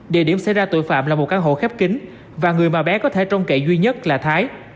địa điểm xảy ra tội phạm là một căn hộ khép kính và người mà bé có thể trông cậy duy nhất là thái